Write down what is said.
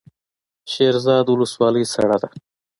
شیرزاد ولسوالۍ سړه ده؟